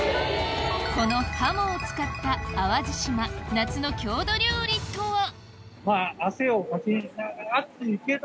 このハモを使った淡路島夏の郷土料理とは？